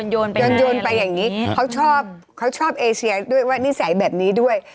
โยนไปอย่างนี้เขาชอบเขาชอบเอเชียด้วยว่านิสัยแบบนี้ด้วย